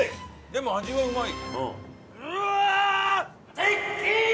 でも味はうまい。